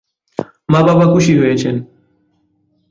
মা বাবা খুব খুশি হয়েছেন।